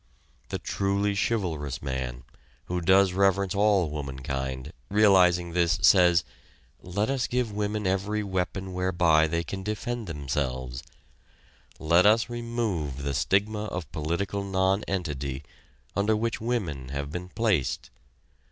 The truly chivalrous man, who does reverence all womankind, realizing this, says: "Let us give women every weapon whereby they can defend themselves; let us remove the stigma of political nonentity under which women have been placed.